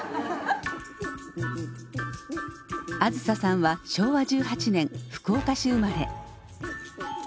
梓さんは昭和１８年福岡市生まれ。